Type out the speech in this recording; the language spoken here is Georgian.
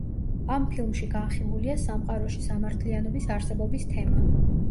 ამ ფილმში განხილულია სამყაროში სამართლიანობის არსებობის თემა.